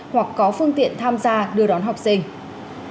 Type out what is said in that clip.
hoặc có phương tiện tham gia đưa đón học sinh